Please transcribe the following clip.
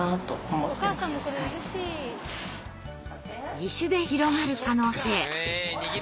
義手で広がる可能性。